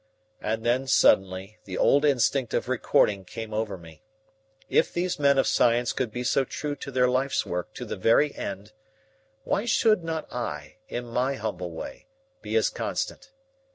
And then, suddenly, the old instinct of recording came over me. If these men of science could be so true to their life's work to the very end, why should not I, in my humble way, be as constant?